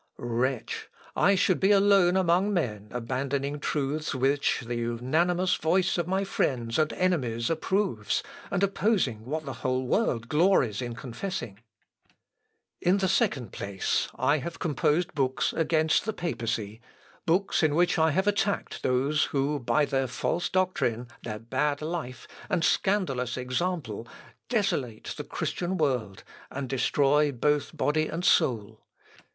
Wretch! I should be alone among men abandoning truths which the unanimous voice of my friends and enemies approves, and opposing what the whole world glories in confessing. [Sidenote: LUTHER'S ADDRESS.] "In the second place, I have composed books against the papacy, books in which I have attacked those who, by their false doctrine, their bad life, and scandalous example, desolate the Christian world, and destroy both body and soul.